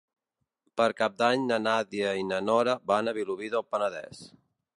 Per Cap d'Any na Nàdia i na Nora van a Vilobí del Penedès.